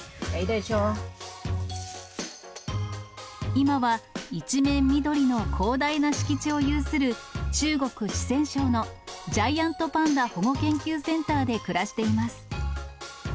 今は一面緑の広大な敷地を有する、中国・四川省のジャイアントパンダ保護研究センターで暮らしています。